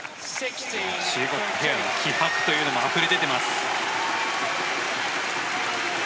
中国ペアの気迫というのもあふれ出ています。